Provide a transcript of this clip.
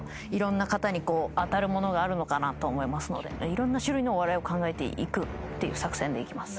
いろんな種類のお笑いを考えていく作戦でいきます。